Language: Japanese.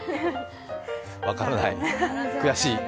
分からない、悔しい。